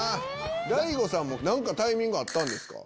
大悟さんも何かタイミングあったんですか？